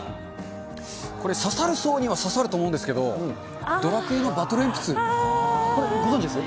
これ、刺さる層には刺さると思うんですけど、ドラクエのバトル鉛筆。これご存じです？